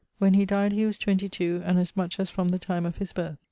When he dyed he was 22 and as much as from the time of his birth.